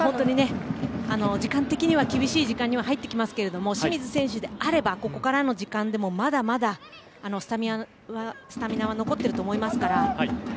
時間的には厳しい時間には入ってきますけれども清水選手であればここからの時間でもまだまだスタミナは残っていると思いますから。